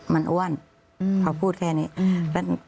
มันอ้วนเขาพูดแค่นี้